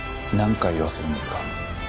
何回言わせるんですか？